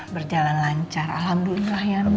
berjalan lancar alhamdulillah ya